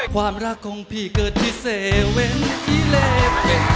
ความรักของพี่เกิดที่๗ที่เล็ก